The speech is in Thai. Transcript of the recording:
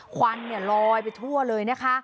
ควันลอยไปทั่วเลยนะคะ